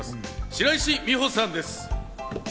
白石美帆さんです。